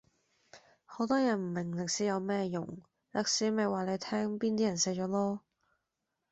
好多人唔明歷史有乜用，歷史咪話你聽邊啲人死咗囉